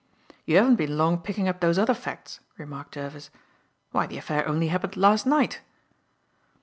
"You haven't been long picking up those other facts," remarked Jervis. "Why the affair only happened last night."